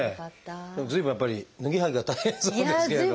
でも随分やっぱり脱ぎはきが大変そうですけれどもね。